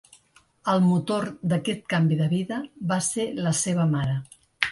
El motor d'aquest canvi de vida va ser la seva mare.